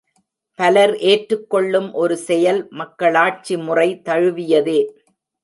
பலர் ஏற்றுக் கொள்ளும் ஒரு செயல் மக்களாட்சி முறை தழுவியதே.